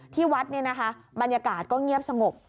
ที่วัดเนี่ยนะคะบรรยากาศก็เงียบสงบ